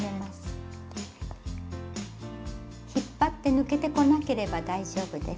引っ張って抜けてこなければ大丈夫です。